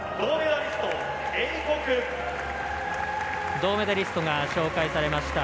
銅メダリストが紹介されました。